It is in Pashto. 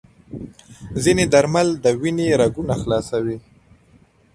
ځینې درمل د وینې رګونه خلاصوي.